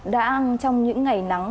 đã ăn trong những ngày nắng